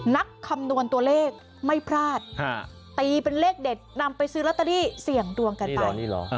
คำนวณตัวเลขไม่พลาดตีเป็นเลขเด็ดนำไปซื้อลอตเตอรี่เสี่ยงดวงกันไป